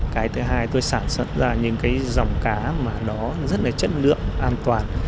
cái thứ hai tôi sản xuất ra những cái dòng cá mà nó rất là chất lượng an toàn